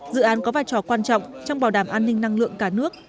dự án có vai trò quan trọng trong bảo đảm an ninh năng lượng cả nước